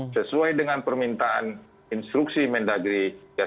sesuai dengan permintaan instruksi mendagri sembilan empat puluh empat puluh satu